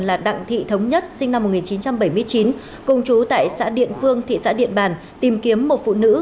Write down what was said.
là đặng thị thống nhất sinh năm một nghìn chín trăm bảy mươi chín cùng chú tại xã điện phương thị xã điện bàn tìm kiếm một phụ nữ